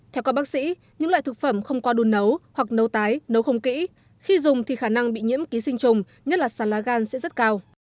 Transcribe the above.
theo các bác sĩ những loại thực phẩm không qua đun nấu hoặc nấu tái nấu không kỹ khi dùng thì khả năng bị nhiễm ký sinh trùng nhất là sán lá gan sẽ rất cao